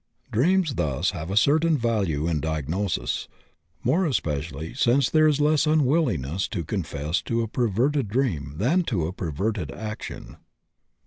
Dreams thus have a certain value in diagnosis, more especially since there is less unwillingness to confess to a perverted dream than to a perverted action.